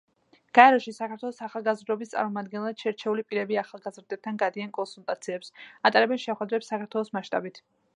გაეროში საქართველოს ახალგაზრდობის წარმომადგენლად შერჩეული პირები ახალგაზრდებთან გადიან კონსულტაციებს, ატარებენ შეხვედრებს საქართველოს მასშტაბით.